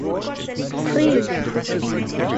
Priv.